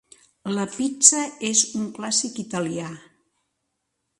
La pizza és un clàssic italià.